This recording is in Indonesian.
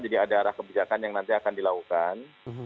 jadi ada arah kebijakan yang nanti akan dilakukan